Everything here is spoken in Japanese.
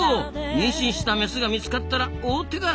妊娠したメスが見つかったら大手柄。